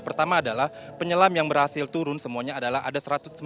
pertama adalah penyelam yang berhasil turun semuanya adalah ada satu ratus sembilan puluh